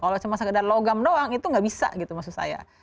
kalau cuma sekedar logam doang itu nggak bisa gitu maksud saya